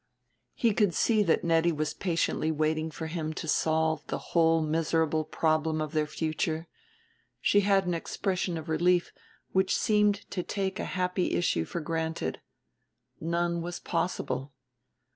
He could see that Nettie was patiently waiting for him to solve the whole miserable problem of their future; she had an expression of relief which seemed to take a happy issue for granted. None was possible.